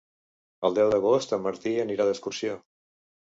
El deu d'agost en Martí anirà d'excursió.